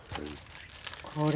これ。